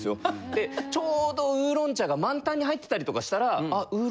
でちょうどウーロン茶が満タンに入ってたりとかしたら。